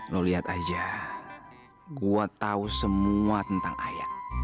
lo lihat aja gue tahu semua tentang aya